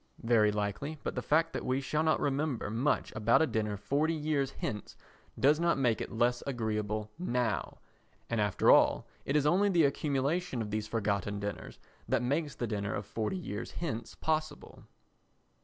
Very likely, but the fact that we shall not remember much about a dinner forty years hence does not make it less agreeable now, and after all it is only the accumulation of these forgotten dinners that makes the dinner of forty years hence possible.